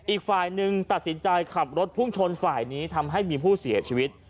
อีกฝ่ายหนึ่งตัดสินใจขับรถพุ่งชนฝ่ายนี้ทำให้มีผู้เสียชีวิต